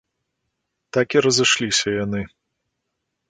Так і разышліся яны.